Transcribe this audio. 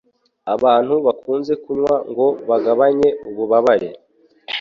abantu bakunze kunywa ngo bagabanye ububabare.